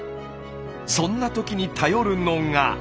そんなときに頼るのが。